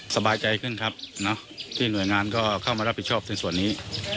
สบายใจขึ้นครับที่หน่วยงานก็เข้ามารับผิดชอบในส่วนนี้